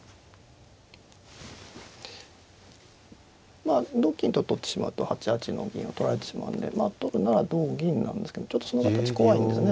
まあ同金と取ってしまうと８八の銀を取られてしまうので取るなら同銀なんですけどちょっとその形怖いんですよね